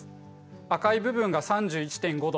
赤い部分が３１．５℃。